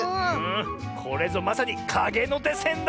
これぞまさにかげのてせんだ！